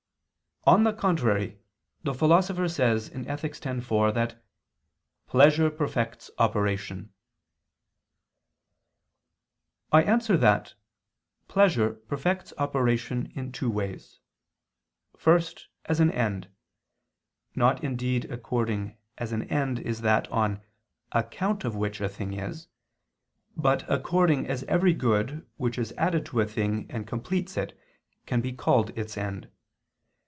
On the contrary, The Philosopher says (Ethic. x, 4) that "pleasure perfects operation." I answer that, Pleasure perfects operation in two ways. First, as an end: not indeed according as an end is that on "account of which a thing is"; but according as every good which is added to a thing and completes it, can be called its end.